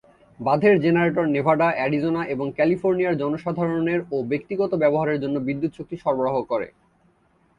বাঁধের generator Nevada, Arizona এবং ক্যালিফোর্নিয়ার জনসাধারণের ও ব্যক্তিগত ব্যবহারের জন্য বিদ্যুৎ শক্তি সরবরাহ করে।